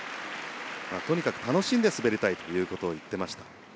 とにかく楽しんで滑りたいということを言っていました。